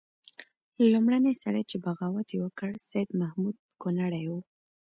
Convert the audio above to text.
لومړنی سړی چې بغاوت یې وکړ سید محمود کنړی وو.